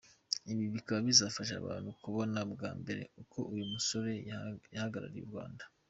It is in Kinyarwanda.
Ibi bikaba bizafasha abantu kubona bwa mbere uko uyu musore yahagarariye u Rwanda.